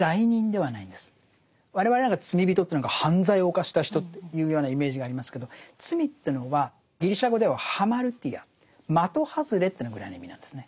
我々罪人って犯罪を犯した人というようなイメージがありますけど罪というのはギリシャ語ではハマルティア的外れというぐらいな意味なんですね。